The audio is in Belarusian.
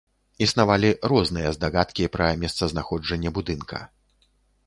Існавалі розныя здагадкі пра месцазнаходжанне будынка.